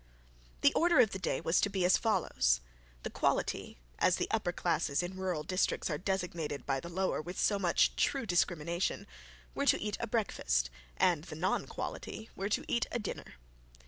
The order of the day was to be as follows. The quality, as the upper classes in rural districts are designated by the lower with so much true discrimination, were to eat a breakfast, and the non quality were to eat a dinner.